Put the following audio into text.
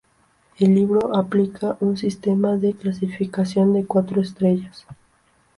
El libro aplica un sistema de clasificación de cuatro estrellas.